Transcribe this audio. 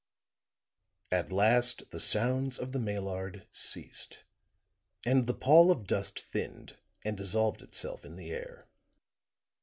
At last the sounds of the Maillard ceased and the pall of dust thinned and dissolved itself in the air.